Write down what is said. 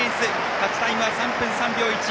勝ちタイムは３分３秒１。